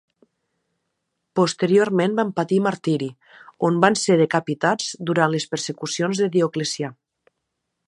Posteriorment van patir martiri, on van ser decapitats durant les persecucions de Dioclecià.